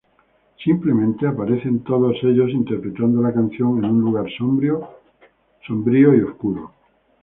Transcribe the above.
Simplemente aparecen todos ellos interpretando la canción en un lugar sombrío y oscuro.